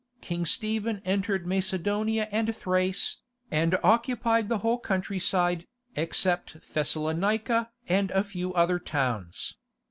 King Stephen entered Macedonia and Thrace, and occupied the whole countryside, except Thessalonica and a few other towns.